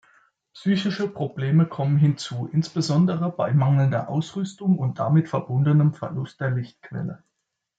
Psychische Probleme kommen hinzu, insbesondere bei mangelnder Ausrüstung und damit verbundenem Verlust der Lichtquelle.